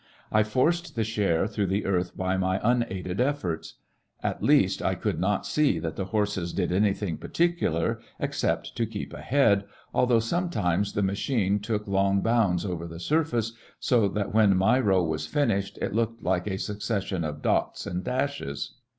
I forced the share through the earth by my unaided efforts ; at least, I could not see that the horses did anything particular, except to keep ahead, although sometimes the machine took long bounds over the surface, so that when my row was finished it looked like a succession of dots and dashes